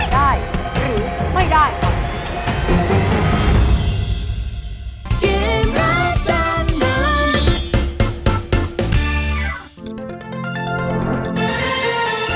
ได้หรือไม่ได้